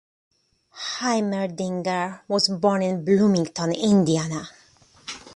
Heimerdinger was born in Bloomington, Indiana.